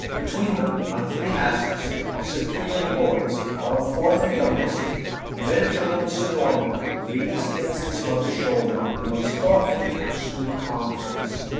Between them, on three hassocks, sit three little boys; while the fourth, and youngest, a miniature little Sir Norman, leans against his mother's shoulder, and looks thoughtfully in her sweet, calm face.